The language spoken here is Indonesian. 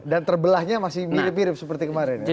dan terbelahnya masih mirip mirip seperti kemarin ya